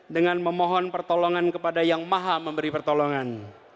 dengan memohon pertolongan kepada yang maha memberi pertolongan